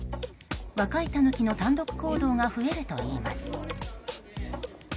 若いタヌキの単独行動が増えるといいます。